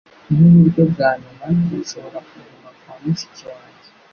Nkuburyo bwa nyuma, dushobora kuguma kwa mushiki wanjye